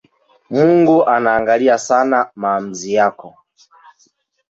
Mungu anaangalia sana maamuzi yako.